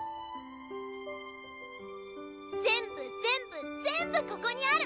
全部全部全部ここにある。